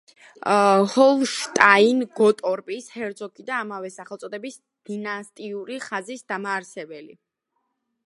ჰოლშტაინ-გოტორპის ჰერცოგი და ამავე სახელწოდების დინასტიური ხაზის დამაარსებელი.